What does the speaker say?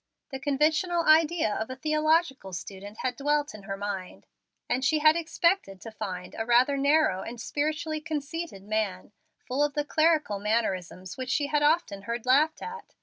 The conventional idea of a theological student had dwelt in her mind; and she had expected to find a rather narrow and spiritually conceited man, full of the clerical mannerisms which she had often heard laughed at.